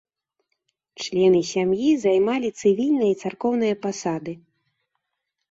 Члены сям'і займалі цывільныя і царкоўныя пасады.